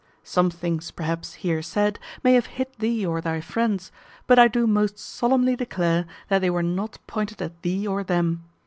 Some things, perhaps, here said, may have hit thee or thy friends; but I do most solemnly declare they were not pointed at thee or them.